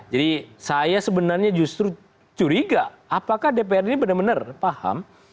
jadi saya sebenarnya justru curiga apakah dpr ini benar benar paham